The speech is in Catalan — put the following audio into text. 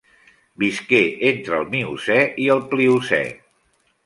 Visqué entre el Miocè i el Pliocè.